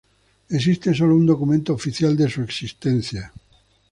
Existe solo un documento oficial de su existencia.